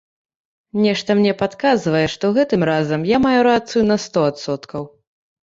Нешта мне падказвае, што гэтым разам я маю рацыю на сто адсоткаў.